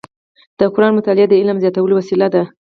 د قرآن مطالع د علم زیاتولو وسیله ده.